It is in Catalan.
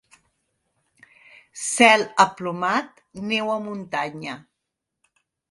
Cel aplomat, neu a muntanya.